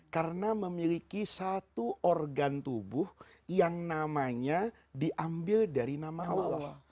karena memiliki satu organ tubuh yang namanya diambil dari nama allah